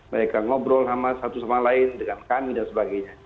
mereka ngobrol sama satu sama lain dengan kami dan sebagainya